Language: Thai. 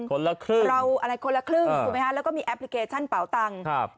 คนละครึ่งแล้วก็มีแอปพลิเคชั่นเป่าตัง